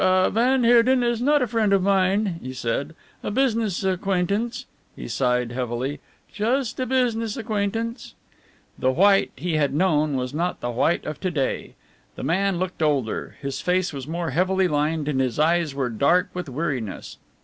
ah van Heerden is not a friend of mine," he said, "a business acquaintance," he sighed heavily, "just a business acquaintance." The White he had known was not the White of to day. The man looked older, his face was more heavily lined and his eyes were dark with weariness.